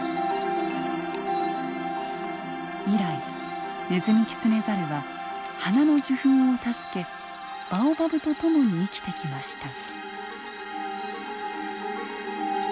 以来ネズミキツネザルは花の受粉を助けバオバブと共に生きてきました。